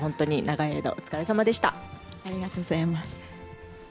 ぶっちー、ありがとうございます。